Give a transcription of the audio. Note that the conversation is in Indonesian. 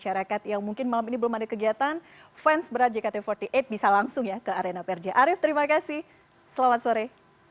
arief terima kasih selamat sore